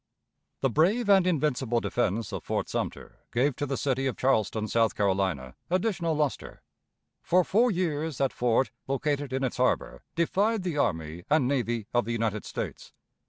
The brave and invincible defense of Fort Sumter gave to the city of Charleston, South Carolina, additional luster. For four years that fort, located in its harbor, defied the army and navy of the United States.